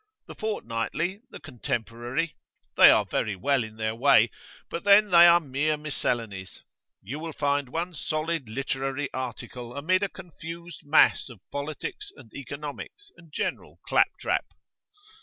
The Fortnightly, the Contemporary they are very well in their way, but then they are mere miscellanies. You will find one solid literary article amid a confused mass of politics and economics and general clap trap.